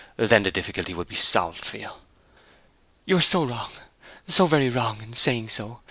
Then the difficulty would be solved for you.' 'You are so wrong, so very wrong, in saying so!'